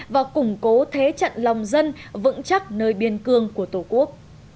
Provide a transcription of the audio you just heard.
và củng cố thế trận lòng dân vững chắc nơi biên cương của tổ quốc